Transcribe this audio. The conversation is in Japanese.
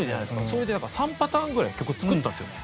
それで３パターンぐらい曲作ったんですよ